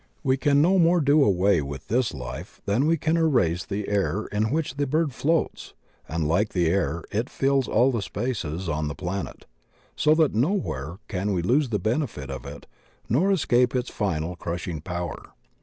We can no more do away with this life than we can erase the air in which the bird floats, and Uke the air it fills all the spaces on the planet, so that nowhere can we lose the benefit of it nor escape its final crushing power.